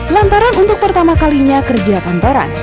lantaran untuk pertama kalinya kerja kantoran